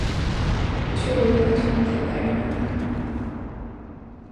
চোরও আজ পথে বাহির হয় না।